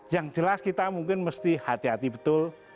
yang jelas kita mungkin mesti hati hati betul